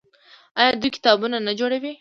آیا دوی کتابتونونه نه جوړوي؟